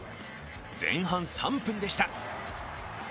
前半３分でした。